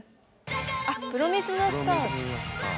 あっ『プロミスザスター』。